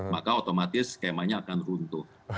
maka otomatis skemanya akan runtuh